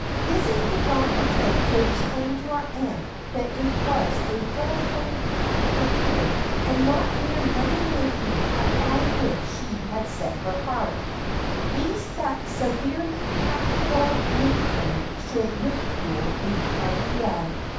Lizzie did not attempt to explain to her aunt that it was a 342 Jv.it as I A :. philanthropic career, and not mere money earning urvon which she had set her heart, lest that severely praotieul matron should ridicule the idea.